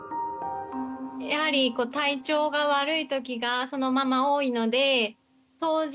やはり体調が悪い時がそのママ多いので掃除